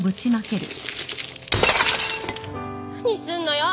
何すんのよ。